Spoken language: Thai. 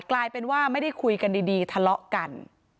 กลายเป็นว่าไม่ได้คุยกันดีทะเลาะกัน